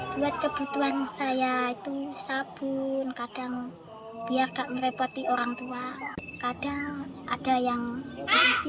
buat kebutuhan saya itu sabun kadang biar gak merepoti orang tua kadang ada yang cuci